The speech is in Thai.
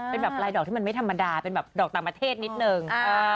เป็นแบบลายดอกที่มันไม่ธรรมดาเป็นแบบดอกต่างประเทศนิดนึง